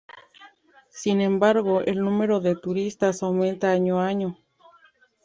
Sin embargo, el número de turistas aumenta año a año.